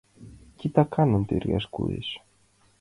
Титаканым тергаш кӱлеш.